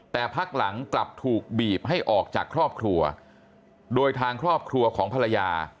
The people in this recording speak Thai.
แต่พักหลังกลับถูกบีบให้ออกจากครอบครัวโดยทางครอบครัวของภรรยา